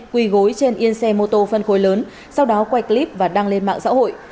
quỳ gối trên yên xe mô tô phân khối lớn sau đó quay clip và đăng lên mạng xã hội